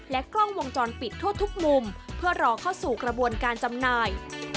กล้องวงจรปิดทั่วทุกมุมเพื่อรอเข้าสู่กระบวนการจำหน่าย